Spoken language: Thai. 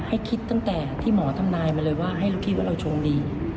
ให้คิดตั้งแต่ที่หมอทำนายมาเลยว่าให้เราคิดว่าเราโชคดี